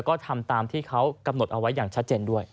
ก็ทำตามที่เขากำหนดเอาไว้อย่างชัดเจนด้วย